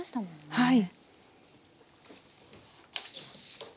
はい。